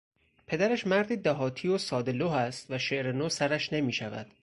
پدرش مردی دهاتی و سادهلوح است و شعر نو سرش نمیشود.